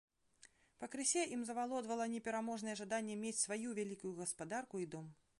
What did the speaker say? Пакрысе ім завалодвала непераможнае жаданне мець сваю вялікую гаспадарку і дом.